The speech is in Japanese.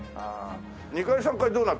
２階３階どうなってるの？